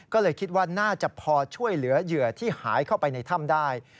ก็เลยคิดว่าน่าจะพอช่วยเหลือเหยื่อที่หายเข้าไปในถ้ำได้